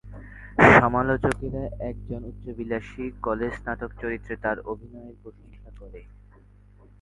সমালোচকেরা একজন উচ্চাভিলাষী কলেজ স্নাতক চরিত্রে তার অভিনয়ের প্রশংসা করে।